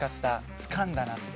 つかんだなって。